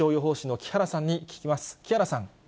木原さん。